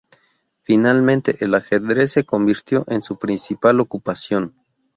Finalmente, el ajedrez se convirtió en su principal ocupación.